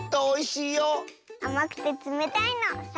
あまくてつめたいの。